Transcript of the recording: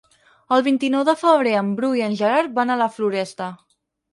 El vint-i-nou de febrer en Bru i en Gerard van a la Floresta.